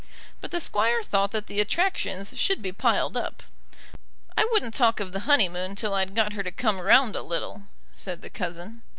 But the Squire thought that the attractions should be piled up. "I wouldn't talk of the honeymoon till I'd got her to come round a little," said the cousin.